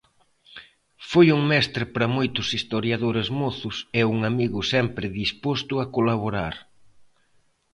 Foi un mestre para moitos historiadores mozos e un amigo sempre disposto a colaborar.